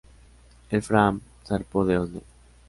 El "Fram" zarpó de Oslo.